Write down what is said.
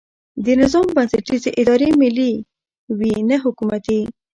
د نظام بنسټیزې ادارې ملي وي نه حکومتي.